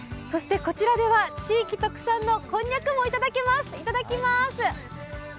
そしてこちらでは地域特産のこんにゃくもいただけます。